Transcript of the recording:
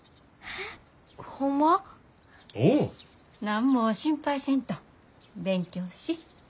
何も心配せんと勉強し。